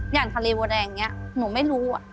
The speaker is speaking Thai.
อย่างทะเลบัวแดงอย่างนี้หนูไม่รู้